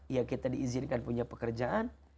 ya kita diizinkan punya pekerjaan